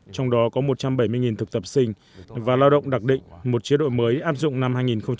trong đó có một trăm bảy mươi thực tập sinh và lao động đặc định một chế độ mới áp dụng năm hai nghìn một mươi chín